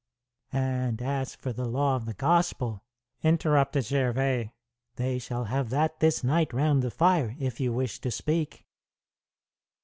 "And as for the law of the Gospel," interrupted Gervais, "they shall have that this night round the fire, if you wish to speak."